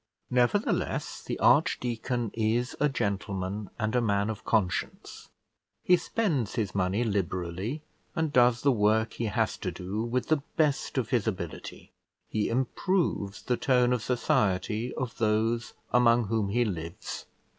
Nevertheless, the archdeacon is a gentleman and a man of conscience; he spends his money liberally, and does the work he has to do with the best of his ability; he improves the tone of society of those among whom he lives.